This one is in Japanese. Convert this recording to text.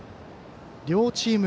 両チーム